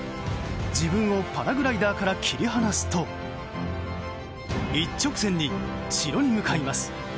自分をパラグライダーから切り離すと一直線に城に向かいます。